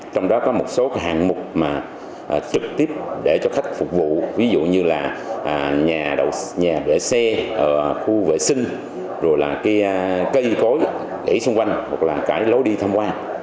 trong đó có một số hàng mục trực tiếp để cho khách phục vụ ví dụ như là nhà vệ xe khu vệ sinh rồi là cây cối để xung quanh hoặc là cái lối đi tham quan